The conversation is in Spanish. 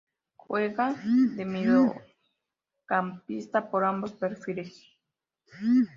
Juega de mediocampista por ambos perfiles.